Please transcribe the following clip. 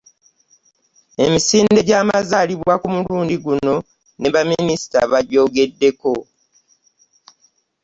Emisinde gy'amazaalibwa ku mulundi guno ne baminisita bagyogeddeko.